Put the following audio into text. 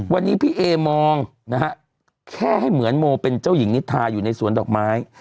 วันนี้พี่เอมองนะฮะแค่ให้เหมือนโมเป็นเจ้าหญิงนิทาอยู่ในสวนดอกไม้